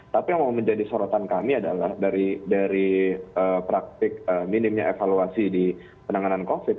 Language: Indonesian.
tapi yang mau menjadi sorotan kami adalah dari praktik minimnya evaluasi di penanganan covid